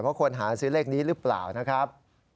เพราะคนหาซื้อเลขนี้หรือเปล่านะครับ